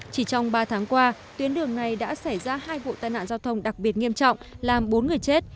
chỉ trong ba tháng qua tuyến đường này đã xảy ra hai vụ tai nạn giao thông đặc biệt nghiêm trọng làm bốn người chết